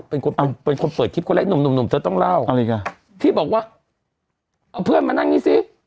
เป็นคนเป็นคนสวยคลิปคนแรกหนุ่มเธอต้องเล่าที่บอกว่าเอาเพื่อนมานั่งนี้ซิ